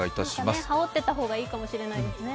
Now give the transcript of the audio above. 何か羽織っていた方がいいかもしれませんね。